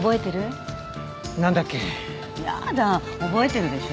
覚えてるでしょ？